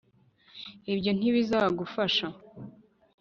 ibyo ntibizagufasha